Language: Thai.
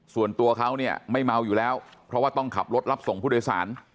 ส่วนตัวเขาเนี่ยไม่เมาอยู่แล้วเพราะว่าต้องขับรถรับส่งผู้โดยสาร